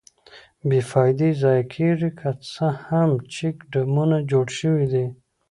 بې فایدې ضایع کېږي، که څه هم چیک ډیمونه جوړ شویدي.